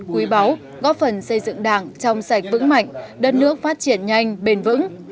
quý báu góp phần xây dựng đảng trong sạch vững mạnh đất nước phát triển nhanh bền vững